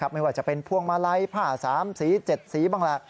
ไม่ว่าจะเป็นพวงมาลัยผ้า๓สี๗สีบ้างแหละ